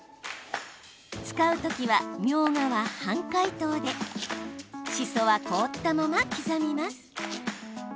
使うときは、みょうがは半解凍でしそは凍ったまま刻みます。